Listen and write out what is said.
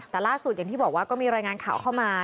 แต่ล่าสุดอย่างที่บอกว่าก็มีรายงานข่าวเข้ามา